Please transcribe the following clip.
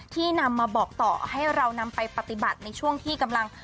นำมาบอกต่อให้เรานำไปปฏิบัติในช่วงที่กำลัง